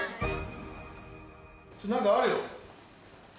ちょっと何かあるよ。